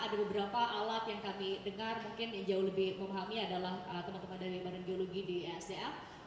ada beberapa alat yang kami dengar mungkin yang jauh lebih memahami adalah teman teman dari badan geologi di sdm